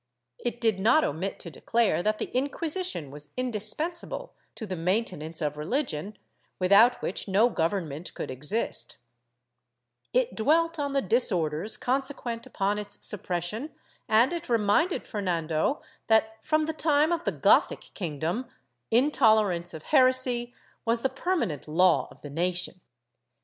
It did not omit to declare that the Inquisition was indispensable to the maintenance of religion, without which no government could exist; it dwelt on the disorders conseciuent upon its suppression and it reminded Fernando that, from the time of the Gothic king dom, intolerance of heresy was the permanent law of the nation.